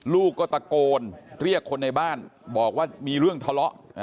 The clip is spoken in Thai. ลูกก็ตะโกนเรียกคนในบ้านบอกว่ามีเรื่องทะเลาะ